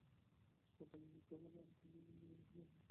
প্রথমটা মুহূর্তকালের জন্য তাহার মনের মধ্যে সংকোচ আসিয়াছিল।